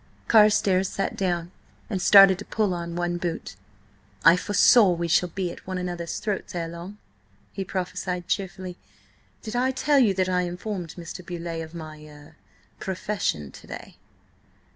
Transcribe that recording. Carstares sat down and started to pull on one boot. "I foresee we shall be at one another's throats ere long," he prophesied cheerfully. "Did I tell you that I informed Mr. Beauleigh of my–er–profession to day?"